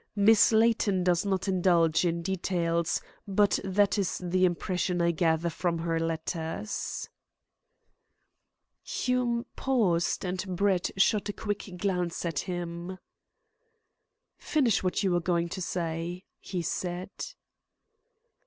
Miss Layton does not indulge in details, but that is the impression I gather from her letters." Hume paused, and Brett shot a quick glance at him. "Finish what you were going to say," he said.